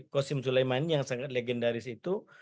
qasim sulaimani yang sangat legendaris itu